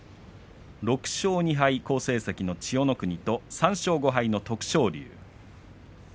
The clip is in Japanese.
６勝２敗、好成績の千代の国と３勝５敗の徳勝龍。